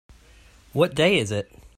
What day is it?